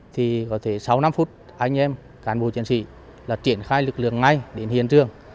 thì có thể sau năm phút anh em cán bộ chiến sĩ là triển khai lực lượng ngay đến hiện trường